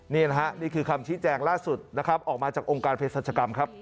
นี่คือคำชี้แจ้งล่าสุดออกมาจากองค์การเพศสัจกรรม